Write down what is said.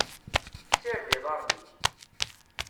Ssired iḍarren-ik.